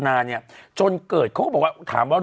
อุ้ยจังหวัด